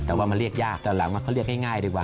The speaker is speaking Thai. แต่ว่ามันเรียกยากตอนหลังว่าเขาเรียกง่ายดีกว่า